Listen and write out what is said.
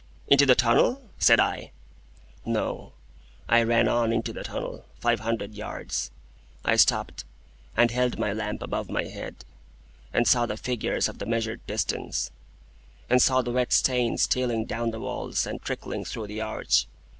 "Into the tunnel?" said I. "No. I ran on into the tunnel, five hundred yards. I stopped, and held my lamp above my head, and saw the figures of the measured distance, and saw the wet stains stealing down the walls and trickling through the arch.